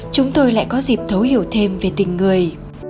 chúng tôi lại có dịp thấu hiểu thêm về tình người